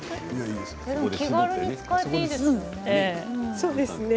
気軽に使えていいですよね。